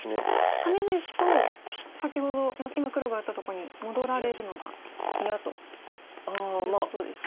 ハネですと先ほど今黒が打ったところに戻られるのが嫌ということですか？